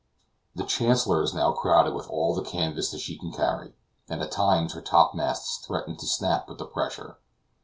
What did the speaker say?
The Chancellor is now crowded with all the canvas she can carry, and at times her topmasts threaten to snap with the pressure.